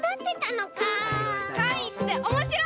かいっておもしろい！